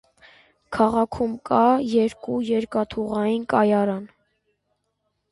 Քաղաքում կա երկու երկաթուղային կայարան։